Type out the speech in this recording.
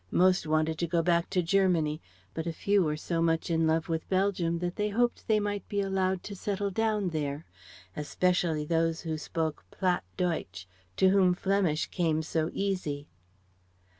Most wanted to go back to Germany, but a few were so much in love with Belgium that they hoped they might be allowed to settle down there; especially those who spoke Platt deutsch, to whom Flemish came so easy.